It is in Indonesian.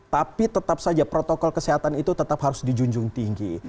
tapi tetap saja protokol kesehatan itu tetap harus dijunjung tinggi